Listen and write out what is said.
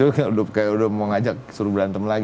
kayak udah mau ngajak suruh berantem lagi